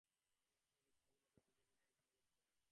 নিসার আলি রিকশাওয়ালাকে বুঝিয়ে দিলেন কীভাবে যেতে হবে।